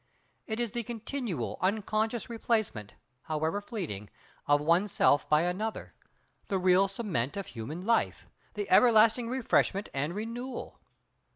It is the continual, unconscious replacement, however fleeting, of oneself by another; the real cement of human life; the everlasting refreshment and renewal.